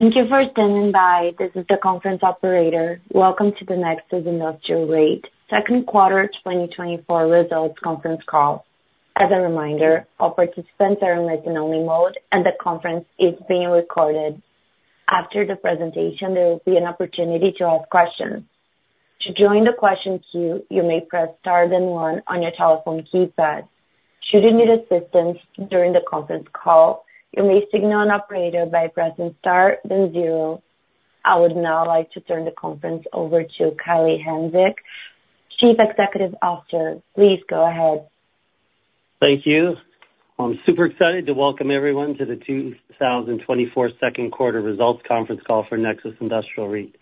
Thank you for standing by. This is the conference operator. Welcome to the Nexus Industrial REIT second quarter 2024 results conference call. As a reminder, all participants are in listen-only mode, and the conference is being recorded. After the presentation, there will be an opportunity to ask questions. To join the question queue, you may press star then One on your telephone keypad. Should you need assistance during the conference call, you may signal an operator by pressing star then zero. I would now like to turn the conference over to Kelly Hanczyk, Chief Executive Officer. Please go ahead. Thank you. I'm super excited to welcome everyone to the 2024 second quarter results conference call for Nexus Industrial REIT.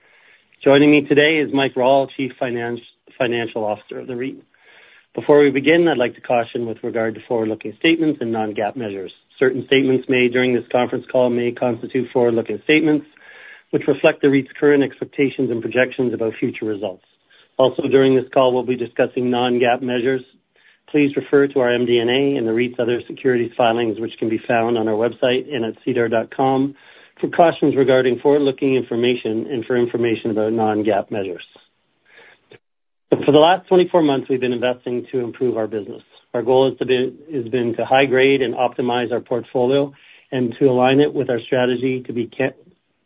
Joining me today is Mike Rawle, Chief Financial Officer of the REIT. Before we begin, I'd like to caution with regard to forward-looking statements and non-GAAP measures. Certain statements made during this conference call may constitute forward-looking statements, which reflect the REIT's current expectations and projections about future results. Also, during this call, we'll be discussing non-GAAP measures. Please refer to our MD&A and the REIT's other securities filings, which can be found on our website and at SEDAR.com, for cautions regarding forward-looking information and for information about non-GAAP measures. For the last 24 months, we've been investing to improve our business. Our goal has been to high grade and optimize our portfolio and to align it with our strategy to be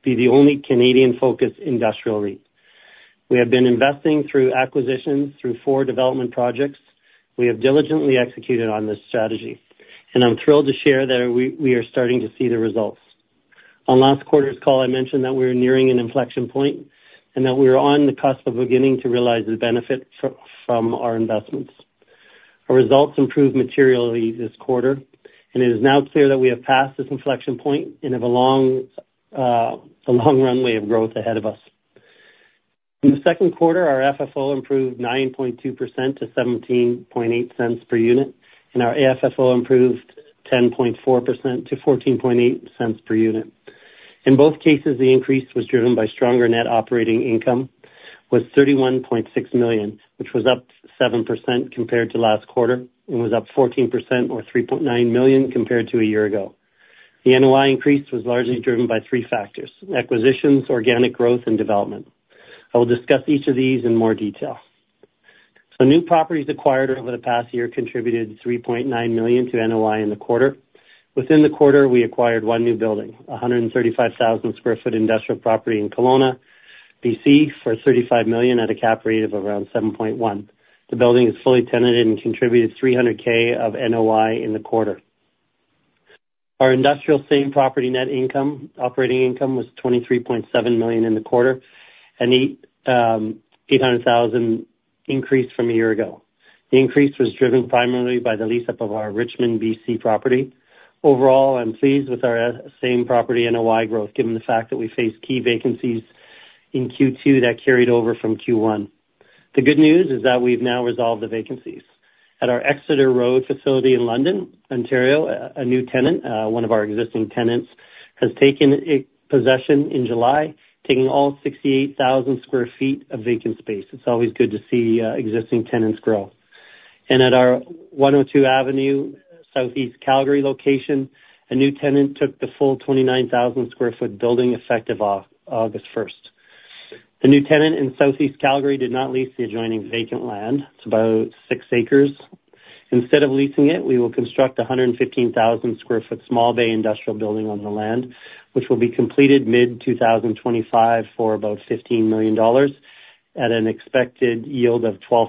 the only Canadian-focused industrial REIT. We have been investing through acquisitions, through four development projects. We have diligently executed on this strategy, and I'm thrilled to share that we are starting to see the results. On last quarter's call, I mentioned that we were nearing an inflection point and that we were on the cusp of beginning to realize the benefit from our investments. Our results improved materially this quarter, and it is now clear that we have passed this inflection point and have a long runway of growth ahead of us. In the second quarter, our FFO improved 9.2% to 17.8 cents per unit, and our AFFO improved 10.4% to 14.8 cents per unit. In both cases, the increase was driven by stronger net operating income with 31.6 million, which was up 7% compared to last quarter and was up 14% or 3.9 million compared to a year ago. The NOI increase was largely driven by three factors: acquisitions, organic growth, and development. I will discuss each of these in more detail. So new properties acquired over the past year contributed 3.9 million to NOI in the quarter. Within the quarter, we acquired one new building, a 135,000 sq ft industrial property in Kelowna, BC, for 35 million at a cap rate of around 7.1%. The building is fully tenanted and contributed 300,000 of NOI in the quarter. Our industrial same-property net income, operating income, was 23.7 million in the quarter, an eight hundred thousand increase from a year ago. The increase was driven primarily by the lease-up of our Richmond, BC, property. Overall, I'm pleased with our same property NOI growth, given the fact that we face key vacancies in Q2 that carried over from Q1. The good news is that we've now resolved the vacancies. At our Exeter Road facility in London, Ontario, a new tenant, one of our existing tenants, has taken possession in July, taking all 68,000 sq ft of vacant space. It's always good to see existing tenants grow. At our 102 Avenue SE, Calgary location, a new tenant took the full 29,000 sq ft building, effective August 1. The new tenant in Southeast Calgary did not lease the adjoining vacant land. It's about 6 acres. Instead of leasing it, we will construct a 115,000 sq ft small bay industrial building on the land, which will be completed mid-2025 for about 15 million dollars at an expected yield of 12%.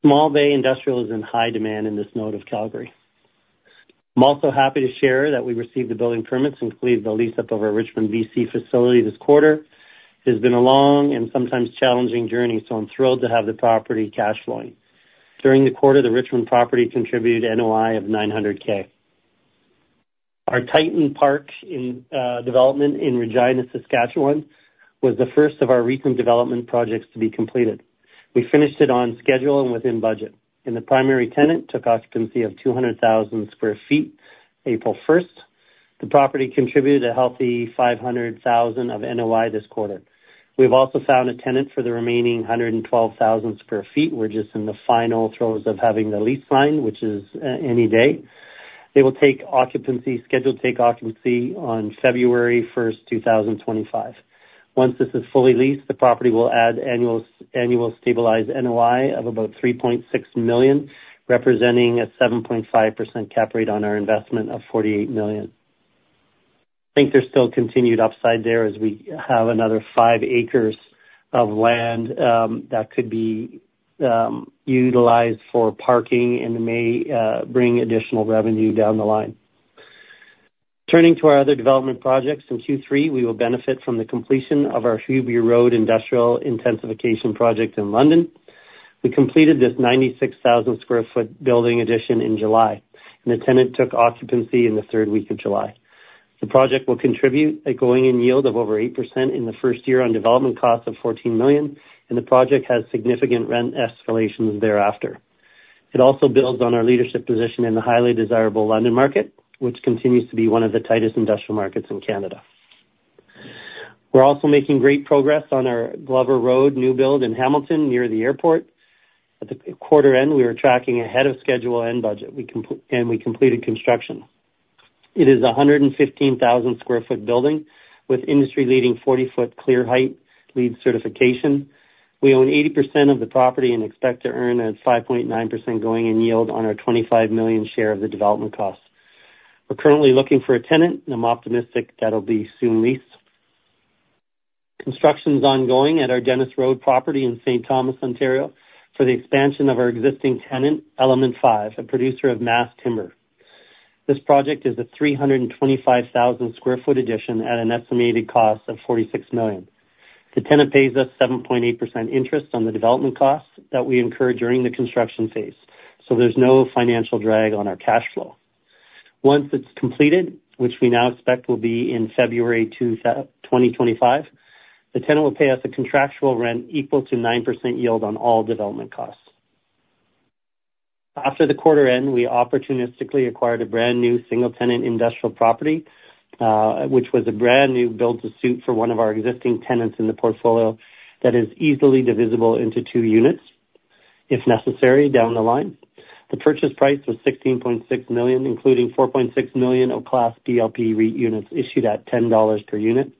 Small bay industrial is in high demand in this node of Calgary. I'm also happy to share that we received the building permits, including the lease-up of our Richmond, BC, facility this quarter. It has been a long and sometimes challenging journey, so I'm thrilled to have the property cash flowing. During the quarter, the Richmond property contributed NOI of 900K. Our Titan Park in development in Regina, Saskatchewan, was the first of our recent development projects to be completed. We finished it on schedule and within budget, and the primary tenant took occupancy of 200,000 sq ft, April 1. The property contributed a healthy 500,000 of NOI this quarter. We've also found a tenant for the remaining 112,000 sq ft. We're just in the final throes of having the lease signed, which is any day. They will take occupancy, schedule to take occupancy on February 1, 2025. Once this is fully leased, the property will add annual, annual stabilized NOI of about 3.6 million, representing a 7.5% cap rate on our investment of 48 million. I think there's still continued upside there as we have another five acres of land that could be utilized for parking and may bring additional revenue down the line. Turning to our other development projects, in Q3, we will benefit from the completion of our Hubrey Road Industrial Intensification project in London. We completed this 96,000 sq ft building addition in July, and the tenant took occupancy in the third week of July. The project will contribute a going-in yield of over 8% in the first year on development costs of 14 million, and the project has significant rent escalations thereafter. It also builds on our leadership position in the highly desirable London market, which continues to be one of the tightest industrial markets in Canada. We're also making great progress on our Glover Road new build in Hamilton, near the airport. At the quarter end, we were tracking ahead of schedule and budget, and we completed construction. It is a 115,000 sq ft building with industry-leading 40-foot clear height LEED certification. We own 80% of the property and expect to earn a 5.9% going-in yield on our 25 million share of the development costs. We're currently looking for a tenant, and I'm optimistic that'll be soon leased. Construction's ongoing at our Dennis Road property in St. Thomas, Ontario, for the expansion of our existing tenant, Element5, a producer of mass timber. This project is a 325,000 sq ft addition at an estimated cost of 46 million. The tenant pays us 7.8% interest on the development costs that we incur during the construction phase, so there's no financial drag on our cash flow. Once it's completed, which we now expect will be in February 2025, the tenant will pay us a contractual rent equal to 9% yield on all development costs. After the quarter end, we opportunistically acquired a brand new single-tenant industrial property, which was a brand new build-to-suit for one of our existing tenants in the portfolio that is easily divisible into two units, if necessary, down the line. The purchase price was CAD 16.6 million, including CAD 4.6 million of Class B LP REIT units issued at CAD 10 per unit,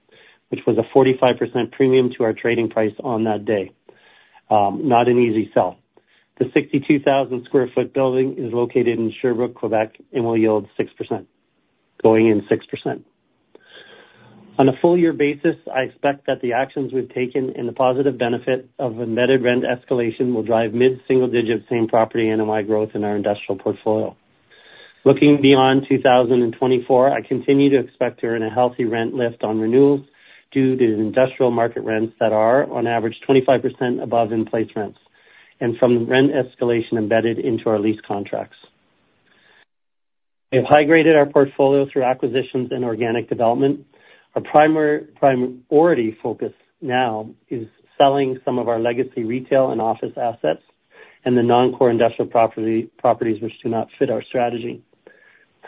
which was a 45% premium to our trading price on that day. Not an easy sell. The 62,000 sq ft building is located in Sherbrooke, Quebec, and will yield 6%, going in 6%. On a full year basis, I expect that the actions we've taken and the positive benefit of embedded rent escalation will drive mid-single-digit same-property NOI growth in our industrial portfolio. Looking beyond 2024, I continue to expect to earn a healthy rent lift on renewals due to the industrial market rents that are, on average, 25% above in-place rents and from rent escalation embedded into our lease contracts. We have high-graded our portfolio through acquisitions and organic development. Our primary priority focus now is selling some of our legacy retail and office assets and the non-core industrial property, properties which do not fit our strategy.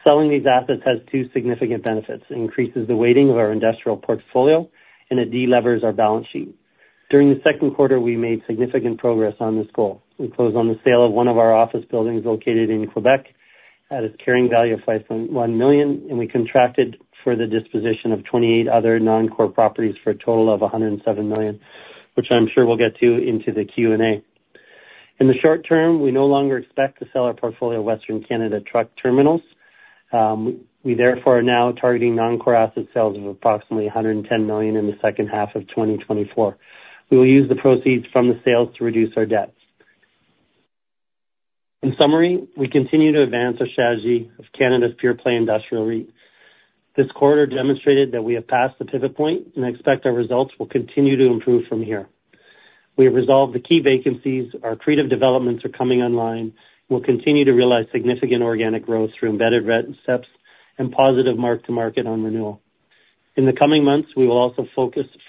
Selling these assets has two significant benefits. It increases the weighting of our industrial portfolio, and it delevers our balance sheet. During the second quarter, we made significant progress on this goal. We closed on the sale of one of our office buildings located in Quebec at a carrying value of 5.1 million, and we contracted for the disposition of 28 other non-core properties for a total of 107 million, which I'm sure we'll get to into the Q&A. In the short term, we no longer expect to sell our portfolio of Western Canada truck terminals. We therefore are now targeting non-core asset sales of approximately 110 million in the second half of 2024. We will use the proceeds from the sales to reduce our debts. In summary, we continue to advance our strategy of Canada's pure-play industrial REIT. This quarter demonstrated that we have passed the pivot point, and I expect our results will continue to improve from here. We have resolved the key vacancies. Our creative developments are coming online. We'll continue to realize significant organic growth through embedded rent steps and positive mark-to-market on renewal. In the coming months, we will also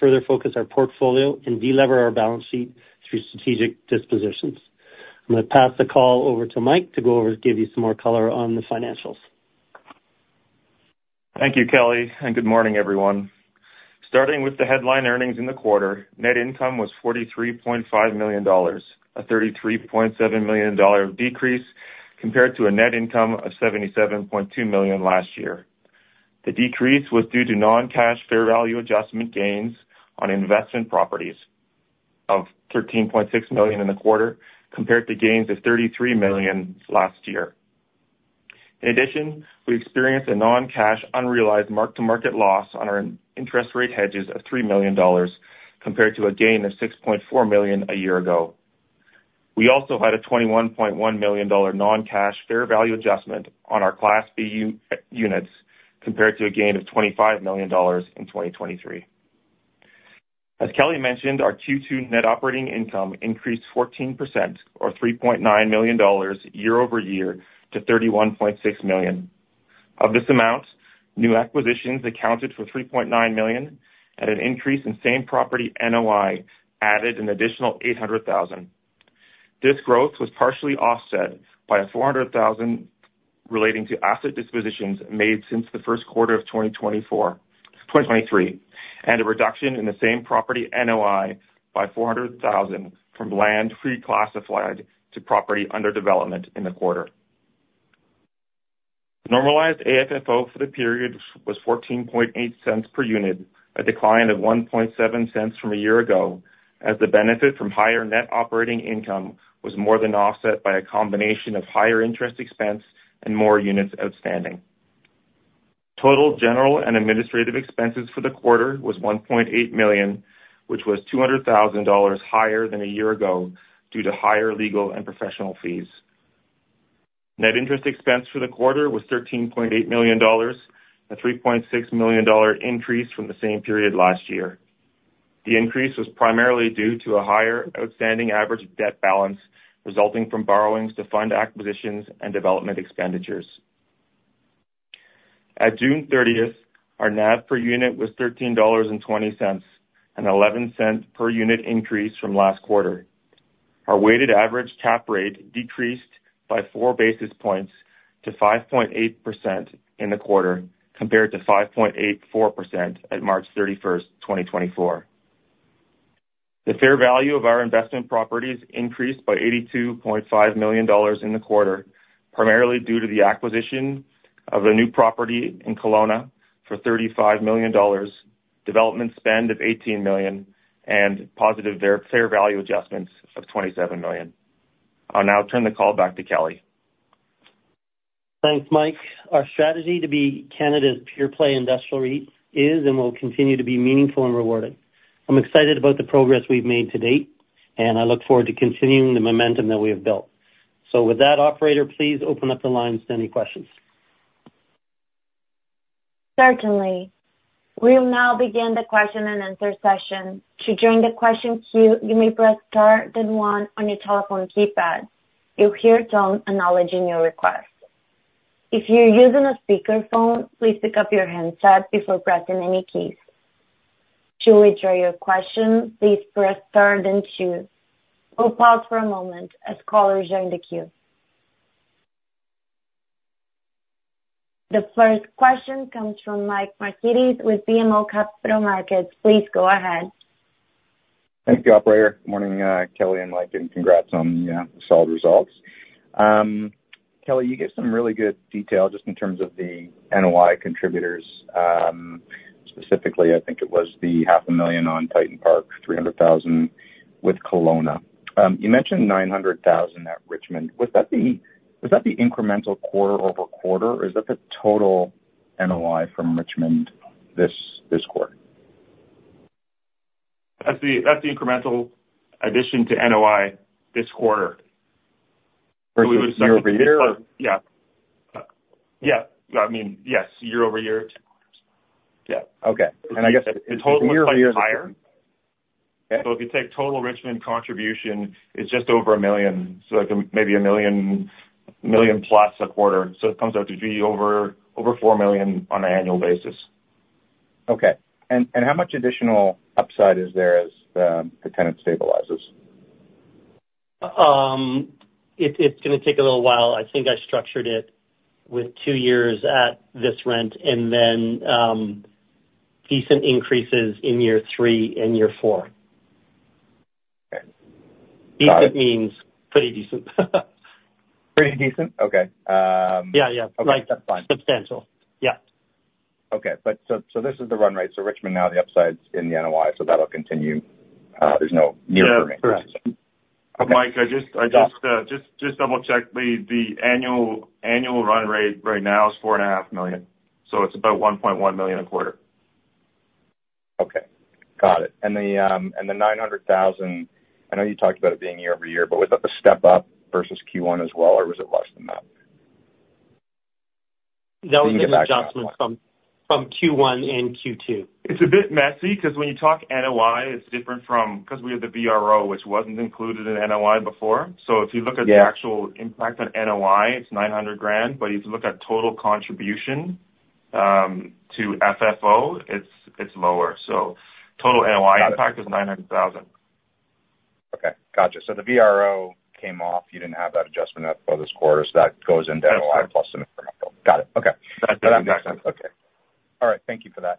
further focus our portfolio and delever our balance sheet through strategic dispositions. I'm going to pass the call over to Mike to go over and give you some more color on the financials. Thank you, Kelly, and good morning, everyone. Starting with the headline earnings in the quarter, net income was 43.5 million dollars, a 33.7 million dollar decrease compared to a net income of 77.2 million last year. The decrease was due to non-cash fair value adjustment gains on investment properties of 13.6 million in the quarter, compared to gains of 33 million last year. In addition, we experienced a non-cash unrealized mark-to-market loss on our interest rate hedges of 3 million dollars, compared to a gain of 6.4 million a year ago. We also had a 21.1 million dollar non-cash fair value adjustment on our Class B LP units, compared to a gain of 25 million dollars in 2023. As Kelly mentioned, our Q2 net operating income increased 14% or 3.9 million dollars year-over-year to 31.6 million. Of this amount, new acquisitions accounted for 3.9 million, and an increase in same-property NOI added an additional 800,000. This growth was partially offset by a 400,000 relating to asset dispositions made since the first quarter of 2023, and a reduction in the same-property NOI by 400,000 from land reclassified to property under development in the quarter. Normalized AFFO for the period was 0.148 per unit, a decline of 0.017 from a year ago, as the benefit from higher net operating income was more than offset by a combination of higher interest expense and more units outstanding. Total general and administrative expenses for the quarter was 1.8 million, which was 200,000 dollars higher than a year ago due to higher legal and professional fees. Net interest expense for the quarter was 13.8 million dollars, a 3.6 million dollar increase from the same period last year. The increase was primarily due to a higher outstanding average debt balance, resulting from borrowings to fund acquisitions and development expenditures. At June thirtieth, our NAV per unit was CAD 13.20, an 11-cent per unit increase from last quarter. Our weighted average cap rate decreased by 4 basis points to 5.8% in the quarter, compared to 5.84% at March thirty-first, 2024. The fair value of our investment properties increased by 82.5 million dollars in the quarter, primarily due to the acquisition of a new property in Kelowna for 35 million dollars, development spend of 18 million, and positive fair value adjustments of 27 million. I'll now turn the call back to Kelly. Thanks, Mike. Our strategy to be Canada's pure-play industrial REIT is and will continue to be meaningful and rewarding. I'm excited about the progress we've made to date, and I look forward to continuing the momentum that we have built. So with that, operator, please open up the lines to any questions. Certainly. We'll now begin the question and answer session. To join the question queue, you may press star then one on your telephone keypad. You'll hear a tone acknowledging your request. If you're using a speakerphone, please pick up your handset before pressing any keys. To withdraw your question, please press star then two. We'll pause for a moment as callers join the queue. The first question comes from Mike Markidis with BMO Capital Markets. Please go ahead. Thank you, operator. Morning, Kelly and Mike, and congrats on the solid results. Kelly, you gave some really good detail just in terms of the NOI contributors. Specifically, I think it was the 500,000 on Titan Park, 300,000 with Kelowna. You mentioned 900,000 at Richmond. Was that the incremental quarter-over-quarter, or is that the total NOI from Richmond this quarter? That's the incremental addition to NOI this quarter. Versus year-over-year? Yeah. Yeah. I mean, yes, year-over-year. Yeah. Okay. And I guess- The total is higher. Okay. If you take total Richmond contribution, it's just over 1 million. Like maybe 1 million, 1 million plus a quarter. It comes out to be over 4 million on an annual basis. Okay. And, how much additional upside is there as the tenant stabilizes? It's gonna take a little while. I think I structured it with two years at this rent, and then, decent increases in year three and year four. Okay. Decent means pretty decent. Pretty decent? Okay. Yeah, yeah. Okay, that's fine. Substantial. Yeah. Okay. But so, so this is the run rate. So Richmond, now the upside's in the NOI, so that'll continue. There's no near term- Yeah, correct. Okay. Mike, I just double-checked the annual run rate right now is 4.5 million, so it's about 1.1 million a quarter. Okay. Got it. And the 900,000, I know you talked about it being year-over-year, but was that the step-up versus Q1 as well, or was it less than that? That was the adjustment from Q1 and Q2. It's a bit messy, because when you talk NOI, it's different from... 'cause we have the VRO, which wasn't included in NOI before. So if you look at- Yeah The actual impact on NOI, it's 900,000, but if you look at total contribution to FFO, it's lower. So total NOI impact is 900,000. Okay. Gotcha. So the VRO came off. You didn't have that adjustment for this quarter, so that goes into NOI plus the incremental. Got it. Okay. That's it. Okay. All right, thank you for that.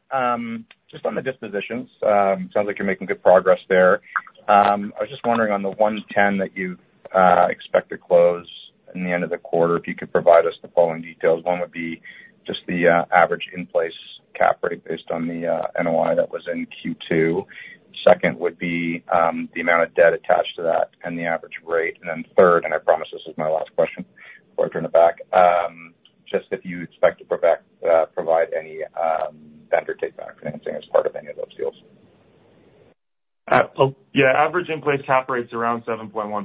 Just on the dispositions, sounds like you're making good progress there. I was just wondering on the 110 that you expect to close in the end of the quarter, if you could provide us the following details. One would be just the average in-place cap rate based on the NOI that was in Q2. Second would be the amount of debt attached to that and the average rate. And then third, and I promise this is my last question before I turn it back, just if you expect to provide any vendor take-back financing as part of any of those deals. So yeah, average in-place cap rate's around 7.1%.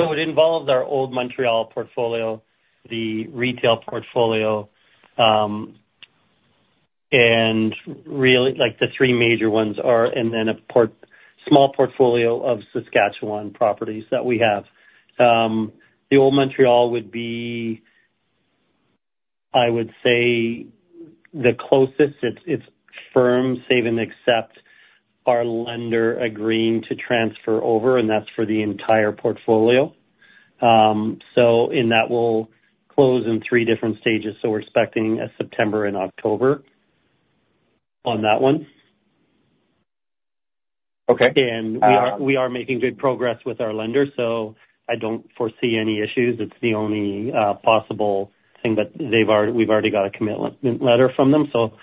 So it involves our Old Montreal portfolio, the retail portfolio, and really, like the three major ones are, and then a small portfolio of Saskatchewan properties that we have. The Old Montreal would be, I would say, the closest. It's firm, save and except our lender agreeing to transfer over, and that's for the entire portfolio. So and that will close in three different stages, so we're expecting a September and October on that one. Okay. We are making good progress with our lender, so I don't foresee any issues. It's the only possible thing, but we've already got a commitment letter from them, so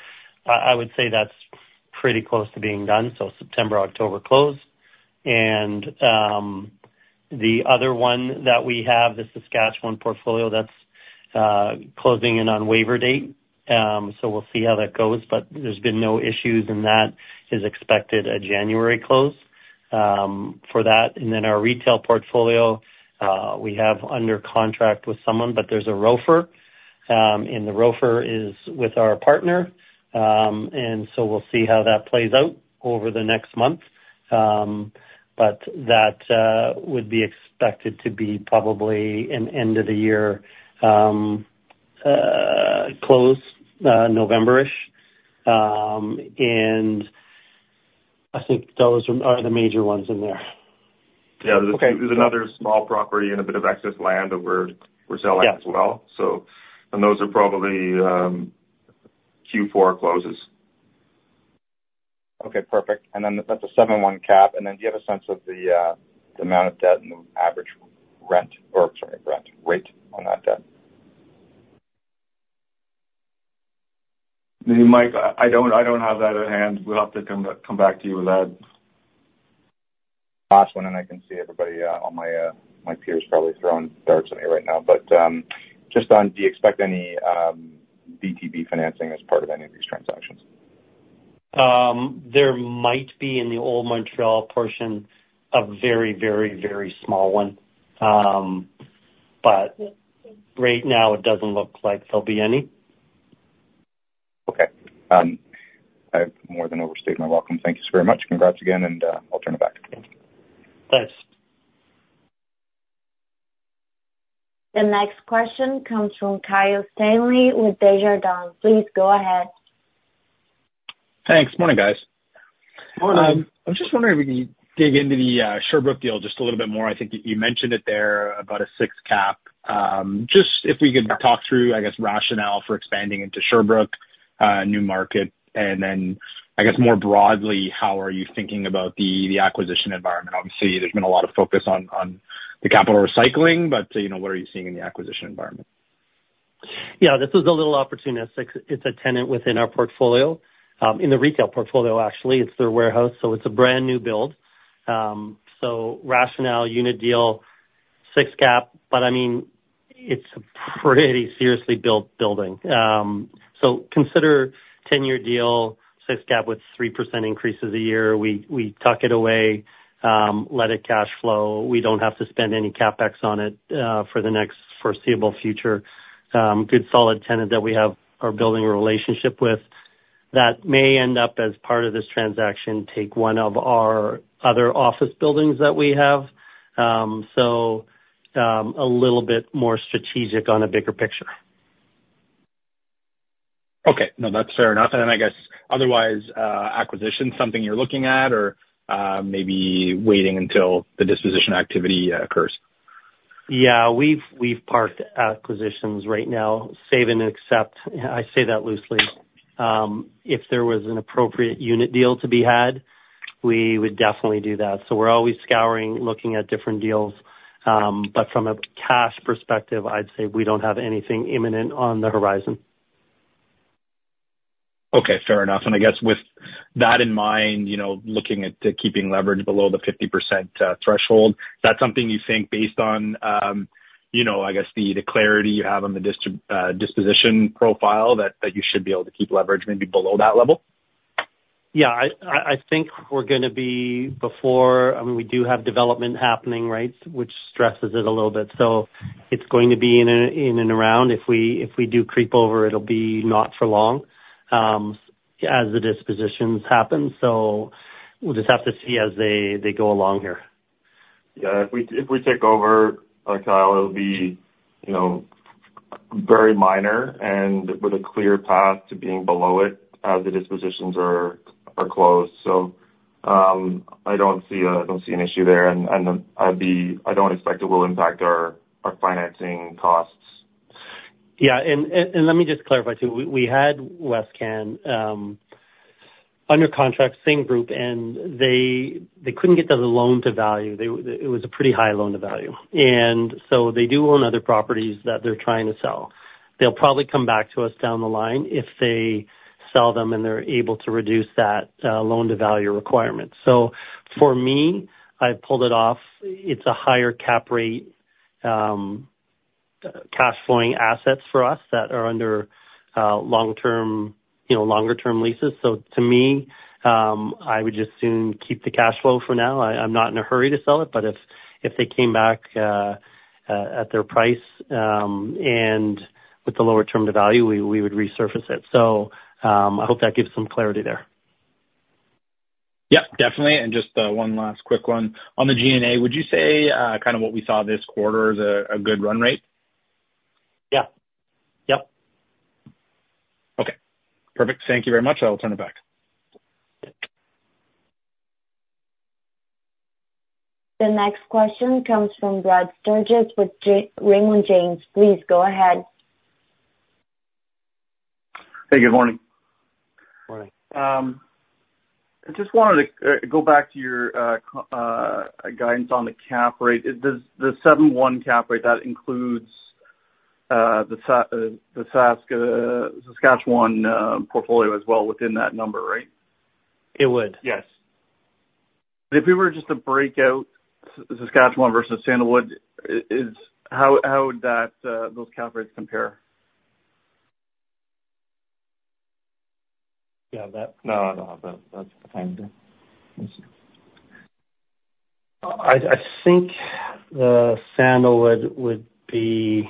I would say that's pretty close to being done, so September, October close. And the other one that we have, the Saskatchewan portfolio, that's closing in on waiver date, so we'll see how that goes, but there's been no issues, and that is expected a January close for that. And then our retail portfolio, we have under contract with someone, but there's a ROFR, and the ROFR is with our partner. And so we'll see how that plays out over the next month. But that would be expected to be probably an end of the year close, November-ish. I think those are the major ones in there. Yeah. Okay. There's another small property and a bit of excess land that we're selling. Yeah as well, so... And those are probably Q4 closes. Okay, perfect. And then that's a 7.1 cap. And then do you have a sense of the, the amount of debt and the average rent or, sorry, rent, rate on that debt? Mike, I don't have that at hand. We'll have to come back to you with that. Last one, and I can see everybody, all my, my peers probably throwing darts at me right now. But, just on, do you expect any, VTB financing as part of any of these transactions? There might be in the old Montreal portion, a very, very, very small one. But right now, it doesn't look like there'll be any. Okay. I've more than overstayed my welcome. Thank you so very much. Congrats again, and I'll turn it back. Thanks. The next question comes from Kyle Stanley with Desjardins. Please go ahead. Thanks. Morning, guys. Morning. I was just wondering if we could dig into the Sherbrooke deal just a little bit more. I think you mentioned it there, about a 6 cap. Just if we could talk through, I guess, rationale for expanding into Sherbrooke, new market. And then, I guess, more broadly, how are you thinking about the acquisition environment? Obviously, there's been a lot of focus on the capital recycling, but, you know, what are you seeing in the acquisition environment? Yeah, this is a little opportunistic. It's a tenant within our portfolio, in the retail portfolio, actually. It's their warehouse, so it's a brand-new build. So rationale, unit deal, 6 cap, but I mean, it's a pretty seriously built building. So consider 10-year deal, 6 cap with 3% increases a year. We tuck it away, let it cash flow. We don't have to spend any CapEx on it, for the next foreseeable future. Good, solid tenant that we have, are building a relationship with, that may end up as part of this transaction, take one of our other office buildings that we have. So, a little bit more strategic on a bigger picture. Okay. No, that's fair enough. And then I guess otherwise, acquisition something you're looking at or, maybe waiting until the disposition activity, occurs? Yeah, we've parked acquisitions right now, save and except. I say that loosely. If there was an appropriate unit deal to be had, we would definitely do that. So we're always scouring, looking at different deals. But from a cash perspective, I'd say we don't have anything imminent on the horizon. Okay, fair enough. And I guess with that in mind, you know, looking at keeping leverage below the 50% threshold, that's something you think based on, you know, I guess the clarity you have on the distri- disposition profile, that you should be able to keep leverage maybe below that level? Yeah, I think we're gonna be before... I mean, we do have development happening, right? Which stresses it a little bit. So it's going to be in and around. If we do creep over, it'll be not for long, as the dispositions happen. So we'll just have to see as they go along here. Yeah, if we take over, Kyle, it'll be, you know, very minor and with a clear path to being below it as the dispositions are closed. So, I don't see an issue there, and I'd be- I don't expect it will impact our financing costs. Yeah, and let me just clarify, too. We had Westcan under contract, same group, and they couldn't get the loan-to-value. It was a pretty high loan-to-value. And so they do own other properties that they're trying to sell. They'll probably come back to us down the line if they sell them, and they're able to reduce that loan-to-value requirement. So for me, I pulled it off. It's a higher cap rate, cash flowing assets for us that are under long term, you know, longer term leases. So to me, I would just as soon keep the cash flow for now. I'm not in a hurry to sell it, but if they came back at their price and with the lower loan-to-value, we would resurface it. I hope that gives some clarity there. Yeah, definitely. Just, one last quick one. On the G&A, would you say, kind of what we saw this quarter is a good run rate? Yeah. Yep. Okay, perfect. Thank you very much. I will turn it back. The next question comes from Brad Sturges with Raymond James. Please go ahead. Hey, good morning. Morning. I just wanted to go back to your guidance on the cap rate. Is the 7.1 cap rate, that includes the Saskatchewan portfolio as well within that number, right? It would. Yes. If we were just to break out Saskatchewan versus Sandalwood, how would those cap rates compare? Do you have that? No, I don't have that. That's fine then. I think the Sandalwood would be.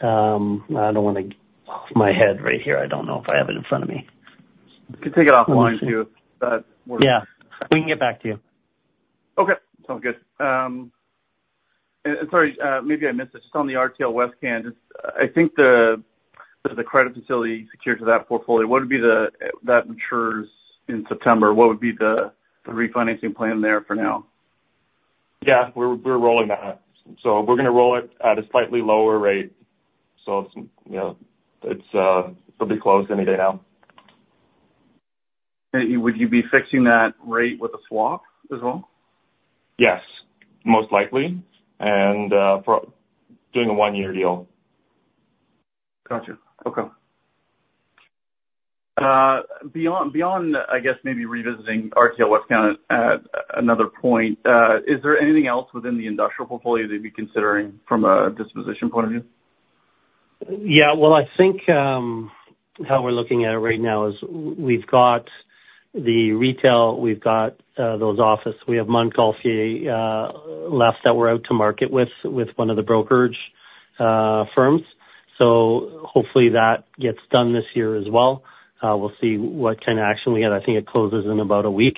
I don't want to go off the top of my head right here. I don't know if I have it in front of me. We can take it offline too, but- Yeah, we can get back to you. Okay, sounds good. And, and sorry, maybe I missed it. Just on the RTL-Westcan, just I think the credit facility secured to that portfolio, what would be the that matures in September, what would be the refinancing plan there for now? Yeah, we're rolling that. So we're gonna roll it at a slightly lower rate. So it's, you know, it'll be closed any day now. Would you be fixing that rate with a swap as well? Yes, most likely. And, for doing a one-year deal. Gotcha. Okay. Beyond, I guess maybe revisiting RTL-Westcan at another point, is there anything else within the industrial portfolio that you'd be considering from a disposition point of view? Yeah. Well, I think, how we're looking at it right now is we've got the retail, we've got, those office. We have Montgolfier, left, that we're out to market with, with one of the brokerage, firms. So hopefully that gets done this year as well. We'll see what kind of action we get. I think it closes in about a week.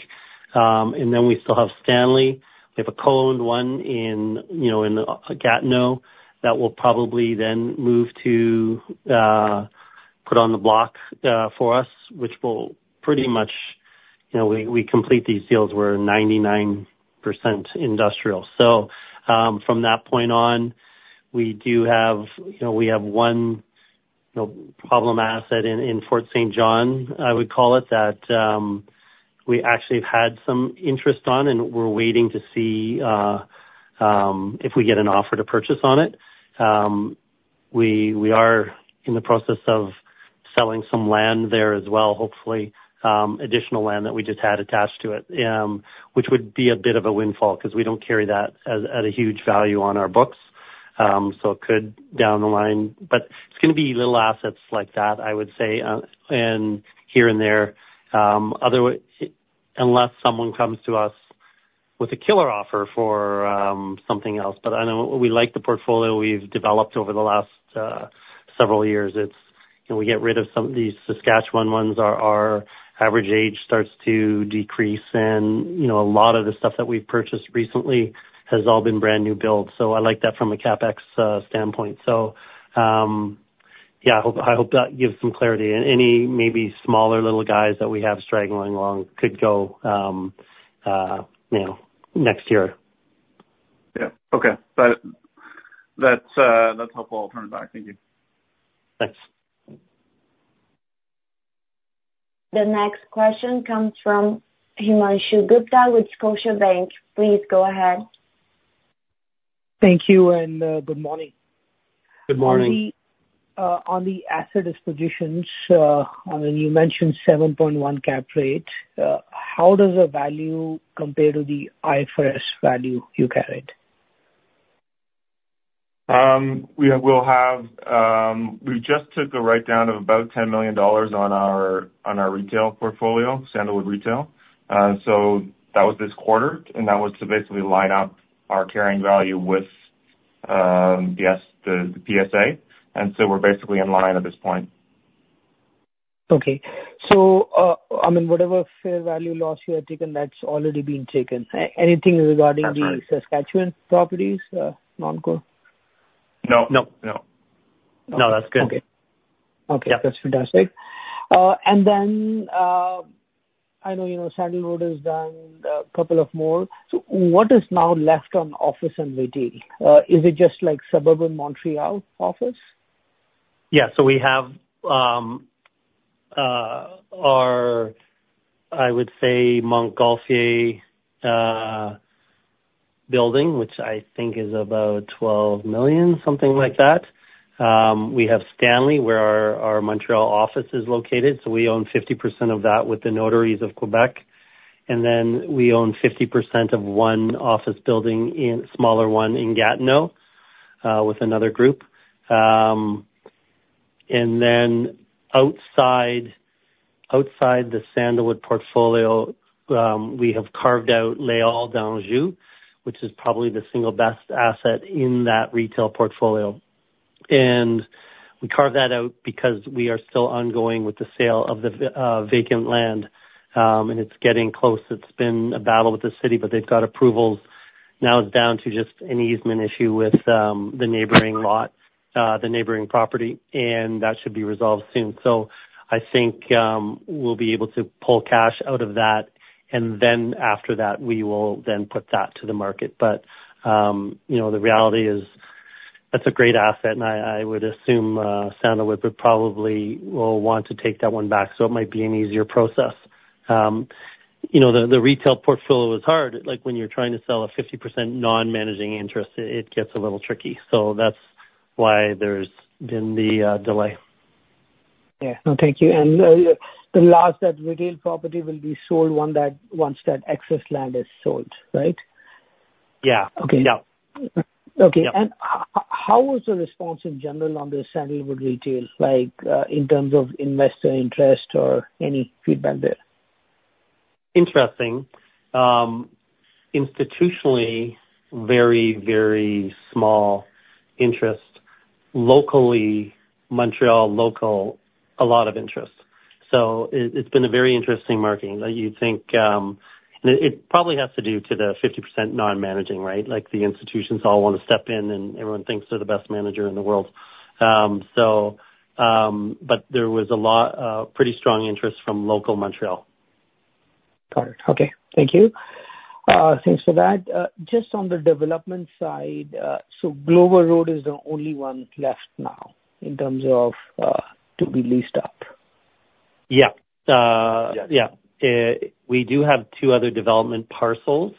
And then we still have Stanley. We have a co-owned one in, you know, in, Gatineau, that we'll probably then move to, put on the block, for us, which will pretty much... You know, we, we complete these deals, we're 99% industrial. So, from that point on, we do have, you know, we have one, you know, problem asset in, in Fort St. John, I would call it that we actually have had some interest on, and we're waiting to see if we get an offer to purchase on it. We are in the process of selling some land there as well, hopefully, additional land that we just had attached to it, which would be a bit of a windfall, 'cause we don't carry that at a huge value on our books. So it could down the line... But it's gonna be little assets like that, I would say, and here and there. Unless someone comes to us with a killer offer for something else. But I know we like the portfolio we've developed over the last several years. It's, you know, we get rid of some of these Saskatchewan ones, our average age starts to decrease. You know, a lot of the stuff that we've purchased recently has all been brand-new build, so I like that from a CapEx standpoint. So, yeah, I hope, I hope that gives some clarity. And any maybe smaller little guys that we have straggling along could go, you know, next year. Yeah. Okay. That, that's, that's helpful, in terms of that. Thank you. Thanks. The next question comes from Himanshu Gupta with Scotiabank. Please go ahead. Thank you, and good morning. Good morning. On the asset dispositions, I mean, you mentioned 7.1 cap rate. How does the value compare to the IFRS value you carried? We will have... We just took a write-down of about 10 million dollars on our retail portfolio, Sandalwood Retail. So that was this quarter, and that was to basically line up our carrying value with yes, the PSA, and so we're basically in line at this point. Okay. So, I mean, whatever fair value loss you have taken, that's already been taken. That's right. Anything regarding the Saskatchewan properties, non-core? No. No, no. Okay. No, that's good. Okay. That's fantastic. Yeah. And then, I know, you know, Sandalwood has done a couple of more. So what is now left on office and retail? Is it just like suburban Montreal office? Yeah. So we have our, I would say, Montgolfier building, which I think is about 12 million, something like that. We have Stanley, where our Montreal office is located, so we own 50% of that with the Notaries of Quebec. And then we own 50% of one office building in, smaller one in Gatineau, with another group. And then outside the Sandalwood portfolio, we have carved out Les Halles d'Anjou, which is probably the single best asset in that retail portfolio. And we carved that out because we are still ongoing with the sale of the vacant land. And it's getting close. It's been a battle with the city, but they've got approvals. Now it's down to just an easement issue with the neighboring lot, the neighboring property, and that should be resolved soon. So I think, we'll be able to pull cash out of that, and then after that, we will then put that to the market. But, you know, the reality is, that's a great asset, and I, I would assume, Sandalwood would probably will want to take that one back, so it might be an easier process. You know, the, the retail portfolio is hard, like when you're trying to sell a 50% non-managing interest, it, it gets a little tricky, so that's why there's been the, delay. Yeah. No, thank you. The last, that retail property will be sold on that- once that excess land is sold, right? Yeah. Okay. Yeah. Okay. Yeah. How was the response in general on the Sandalwood retail, like, in terms of investor interest or any feedback there? Interesting. Institutionally, very, very small interest... locally, Montreal local, a lot of interest. So it's been a very interesting marketing. You'd think it probably has to do to the 50% non-managing, right? Like, the institutions all want to step in, and everyone thinks they're the best manager in the world. So, but there was a lot, pretty strong interest from local Montreal. Got it. Okay. Thank you. Thanks for that. Just on the development side, so Glover Road is the only one left now, in terms of, to be leased up? Yeah. Uh- Yeah. Yeah. We do have two other development parcels.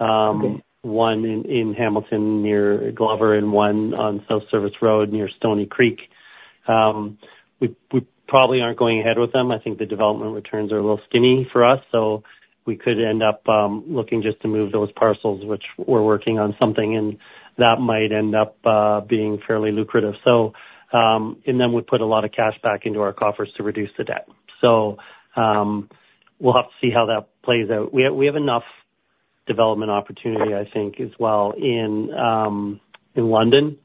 Okay. One in, in Hamilton, near Glover, and one on South Service Road, near Stoney Creek. We, we probably aren't going ahead with them. I think the development returns are a little skinny for us, so we could end up looking just to move those parcels, which we're working on something, and that might end up being fairly lucrative. So, and then we put a lot of cash back into our coffers to reduce the debt. So, we'll have to see how that plays out. We, we have enough development opportunity, I think, as well in, in London,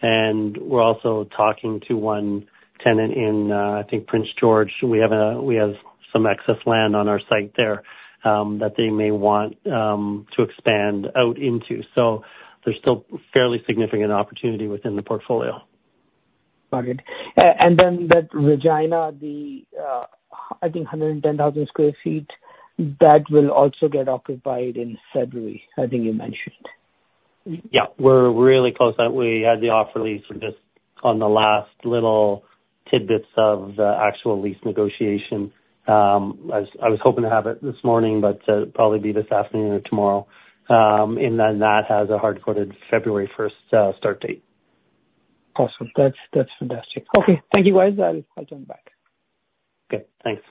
and we're also talking to one tenant in, I think Prince George. We have, we have some excess land on our site there, that they may want to expand out into, so there's still fairly significant opportunity within the portfolio. Got it. And then that Regina, I think 110,000 sq ft, that will also get occupied in February, I think you mentioned? Yeah, we're really close. We had the offer lease just on the last little tidbits of the actual lease negotiation. I was hoping to have it this morning, but probably be this afternoon or tomorrow. And then that has a hard-coded February first start date. Awesome. That's, that's fantastic. Okay. Thank you, guys. I'll, I'll jump back. Okay, thanks.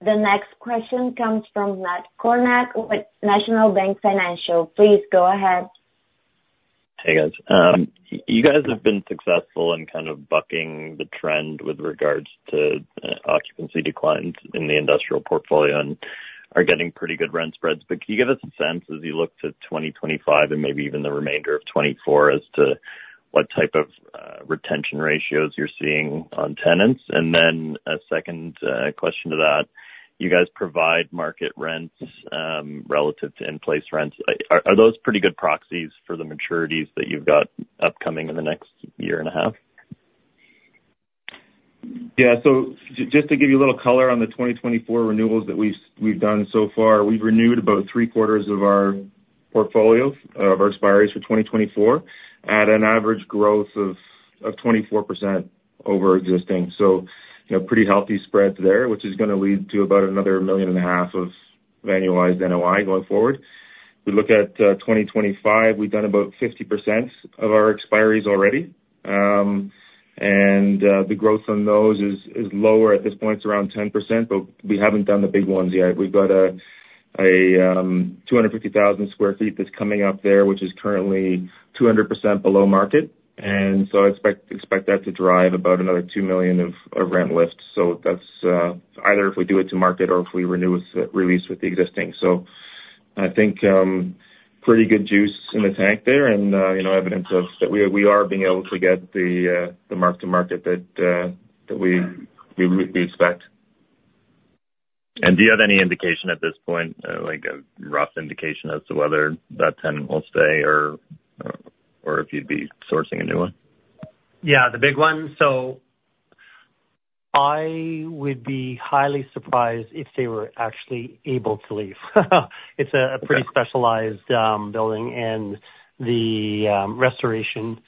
The next question comes from Matt Kornack with National Bank Financial. Please go ahead. Hey, guys. You guys have been successful in kind of bucking the trend with regards to occupancy declines in the industrial portfolio and are getting pretty good rent spreads. But can you give us a sense as you look to 2025 and maybe even the remainder of 2024, as to what type of retention ratios you're seeing on tenants? And then a second question to that, you guys provide market rents relative to in-place rents. Are those pretty good proxies for the maturities that you've got upcoming in the next year and a half? Yeah. So just to give you a little color on the 2024 renewals that we've done so far, we've renewed about three quarters of our portfolios of our expiries for 2024, at an average growth of 24% over existing. So, you know, pretty healthy spreads there, which is gonna lead to about another 1.5 million of annualized NOI going forward. We look at 2025, we've done about 50% of our expiries already. And the growth on those is lower. At this point, it's around 10%, but we haven't done the big ones yet. We've got a 250,000 sq ft that's coming up there, which is currently 200% below market, and so I expect that to drive about another 2 million of rent lift. That's either if we do it to market or if we renew it, re-lease with the existing. I think pretty good juice in the tank there, and you know, evidence of that we are being able to get the mark to market that we expect. Do you have any indication at this point, like a rough indication as to whether that tenant will stay or if you'd be sourcing a new one? Yeah, the big one? So I would be highly surprised if they were actually able to leave. It's a- Okay... pretty specialized building, and the restoration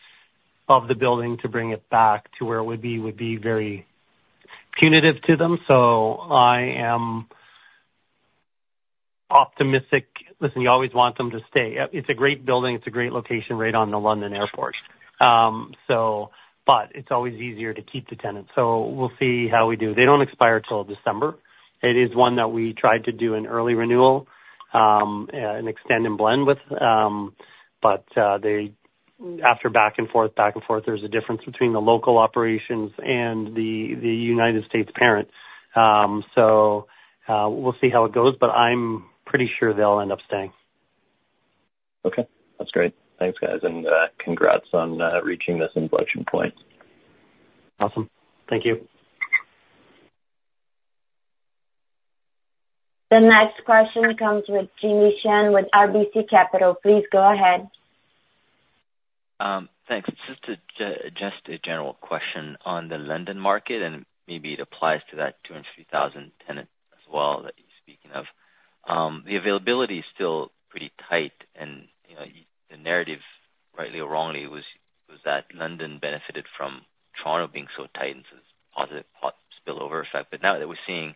of the building to bring it back to where it would be, would be very punitive to them. So I am optimistic... Listen, you always want them to stay. It's a great building. It's a great location, right on the London Airport. So, but it's always easier to keep the tenants, so we'll see how we do. They don't expire till December. It is one that we tried to do an early renewal and extend and blend with, but they, after back and forth, back and forth, there's a difference between the local operations and the United States parent. So, we'll see how it goes, but I'm pretty sure they'll end up staying. Okay. That's great. Thanks, guys. And congrats on reaching this inflection point. Awesome. Thank you. The next question comes with Jimmy Shan with RBC Capital. Please go ahead. Thanks. Just a general question on the London market, and maybe it applies to that 200,000 tenant as well, that you're speaking of. The availability is still pretty tight, and, you know, the narrative, rightly or wrongly, was, was that London benefited from Toronto being so tight, and so as a positive spillover effect. But now that we're seeing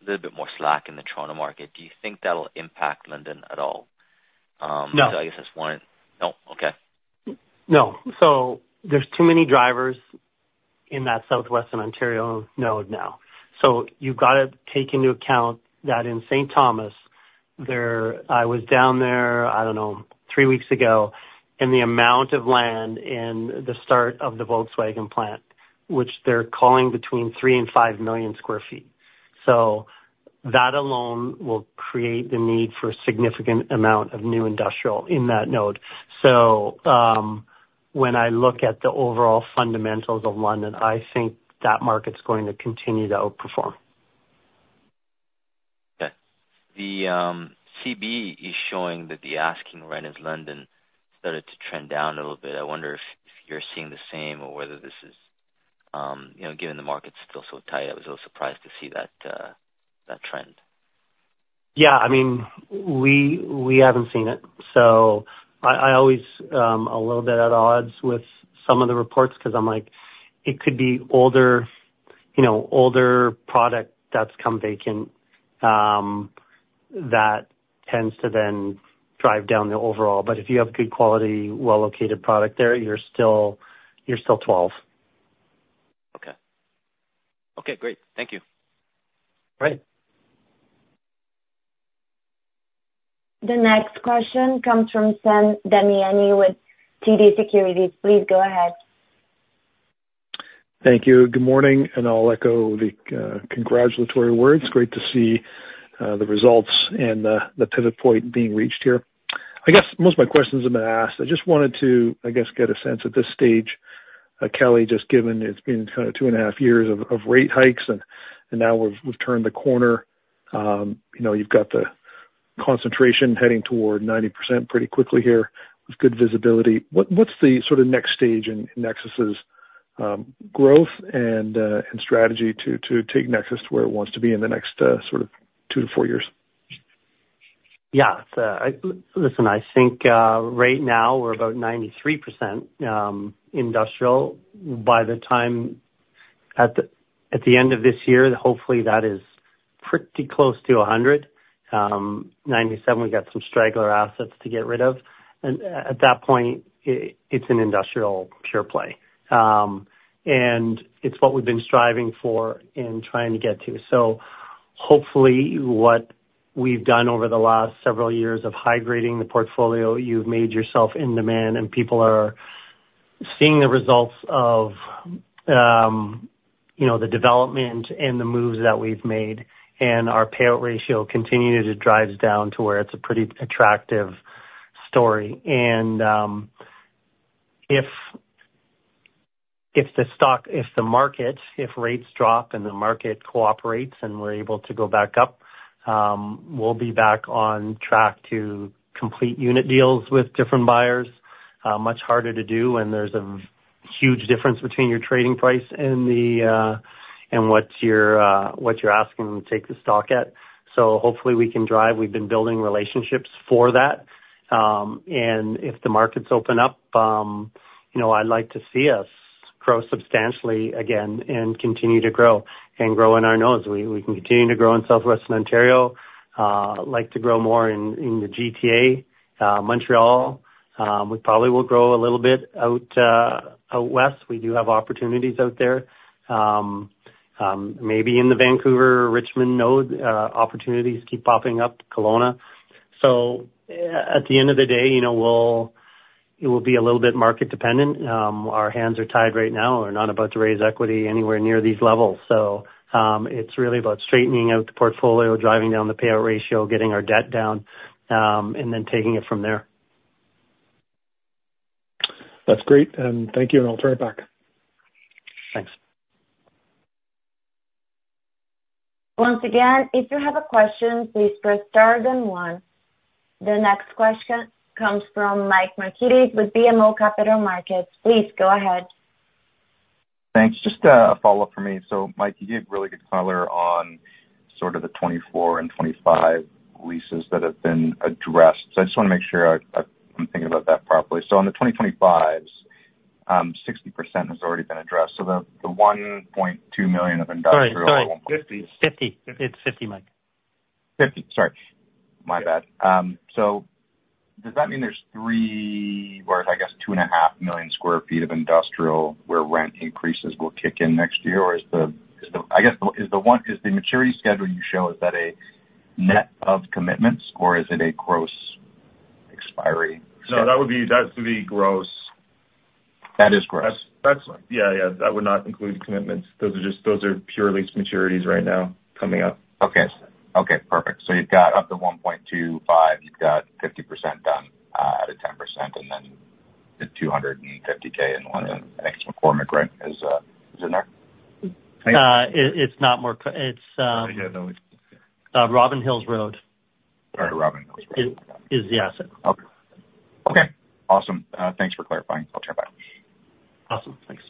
a little bit more slack in the Toronto market, do you think that'll impact London at all? No. I guess that's one. No? Okay. No. So there's too many drivers in that Southwestern Ontario node now. So you've got to take into account that in St. Thomas, there... I was down there, I don't know, three weeks ago, and the amount of land in the start of the Volkswagen plant, which they're calling between 3 and 5 million sq ft. That alone will create the need for a significant amount of new industrial in that node. So, when I look at the overall fundamentals of London, I think that market's going to continue to outperform. Okay. The CB is showing that the asking rent in London started to trend down a little bit. I wonder if, if you're seeing the same or whether this is, you know, given the market's still so tight, I was a little surprised to see that that trend. Yeah, I mean, we haven't seen it. So I always a little bit at odds with some of the reports because I'm like, it could be older, you know, older product that's come vacant that tends to then drive down the overall. But if you have good quality, well-located product there, you're still 12. Okay. Okay, great. Thank you. Great. The next question comes from Sam Damiani with TD Securities. Please go ahead. Thank you. Good morning, and I'll echo the congratulatory words. Great to see the results and the pivot point being reached here. I guess most of my questions have been asked. I just wanted to, I guess, get a sense at this stage, Kelly, just given it's been kind of 2.5 years of rate hikes, and now we've turned the corner. You know, you've got the concentration heading toward 90% pretty quickly here with good visibility. What, what's the sort of next stage in Nexus's growth and strategy to take Nexus where it wants to be in the next sort of 2-4 years? Yeah. Listen, I think right now, we're about 93% industrial. By the time at the end of this year, hopefully, that is pretty close to 100%. 97%, we've got some straggler assets to get rid of. And at that point, it's an industrial pure play. And it's what we've been striving for and trying to get to. So hopefully, what we've done over the last several years of high grading the portfolio, you've made yourself in demand, and people are seeing the results of, you know, the development and the moves that we've made, and our payout ratio continues to drive down to where it's a pretty attractive story. And if the stock, if the market, if rates drop and the market cooperates and we're able to go back up, we'll be back on track to complete unit deals with different buyers. Much harder to do when there's a huge difference between your trading price and the and what you're what you're asking them to take the stock at. So hopefully, we can drive. We've been building relationships for that. And if the markets open up, you know, I'd like to see us grow substantially again and continue to grow and grow in our nodes. We can continue to grow in Southwestern Ontario, like to grow more in the GTA, Montreal. We probably will grow a little bit out west. We do have opportunities out there. Maybe in the Vancouver, Richmond node, opportunities keep popping up, Kelowna. So at the end of the day, you know, it will be a little bit market dependent. Our hands are tied right now. We're not about to raise equity anywhere near these levels. So, it's really about straightening out the portfolio, driving down the payout ratio, getting our debt down, and then taking it from there. That's great, and thank you, and I'll turn it back. Thanks. Once again, if you have a question, please press star then one. The next question comes from Mike Markidis with BMO Capital Markets. Please go ahead. Thanks. Just, a follow-up for me. So Mike, you gave really good color on sort of the 2024 and 2025 leases that have been addressed. So I just want to make sure I'm thinking about that properly. So on the 2025s, 60% has already been addressed, so the one point two million of industrial- Sorry, sorry, 50. 50. It's 50, Mike. Fifty, sorry. My bad. So does that mean there's 3 or, I guess, 2.5 million sq ft of industrial where rent increases will kick in next year? Or is the, is the... I guess, is the maturity schedule you show, is that a net of commitments, or is it a gross expiry? No, that would be, that's the gross. That is gross. That's, yeah, yeah. That would not include commitments. Those are just, those are pure lease maturities right now coming up. Okay. Okay, perfect. So you've got up to 1.25, you've got 50% done out of 10%, and then the 250,000 in London. Next, McCormick, right, is in there? It's not McCormick. It's Yeah, no. Robins Hill Road. Sorry, Robin Hills Road. Is the asset. Okay. Okay, awesome. Thanks for clarifying. I'll turn back. Awesome. Thanks.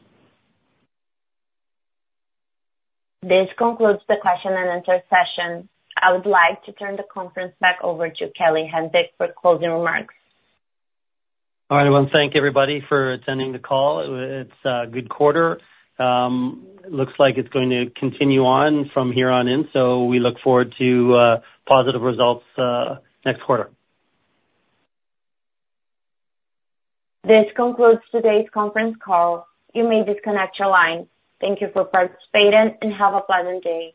This concludes the question and answer session. I would like to turn the conference back over to Kelly Hanczyk for closing remarks. All right, I want to thank everybody for attending the call. It's a good quarter. Looks like it's going to continue on from here on in, so we look forward to positive results next quarter. This concludes today's conference call. You may disconnect your line. Thank you for participating, and have a pleasant day.